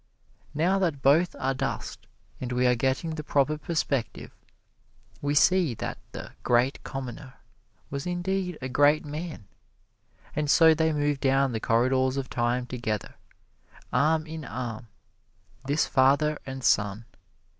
Now that both are dust, and we are getting the proper perspective, we see that "the great commoner" was indeed a great man, and so they move down the corridors of time together, arm in arm, this father and son.